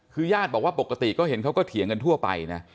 คือญาติบอกว่าปกติก็เห็นเขาก็เถียงกันทั่วไปนะ